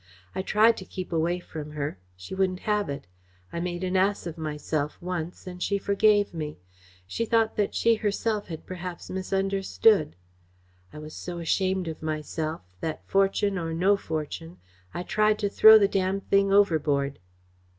I tried to keep away from her. She wouldn't have it. I made an ass of myself once and she forgave me. She thought that she herself had perhaps misunderstood. I was so ashamed of myself that, fortune or no fortune, I tried to throw the damned thing overboard."